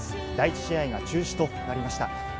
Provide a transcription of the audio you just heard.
第１試合が中止となりました。